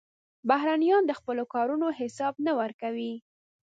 بهرنیان د خپلو کارونو حساب نه ورکوي.